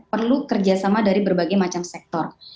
perlu kerjasama dari berbagai macam sektor